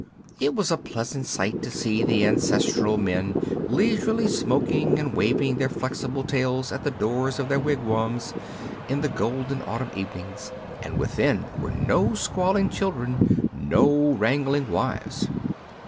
It was a pleasant sight to see the ancestral men leisurely smoking, and waving their flexible tails at the doors of their wigwams in the golden autumn evenings, and within were no squalling children, no wrangling wives.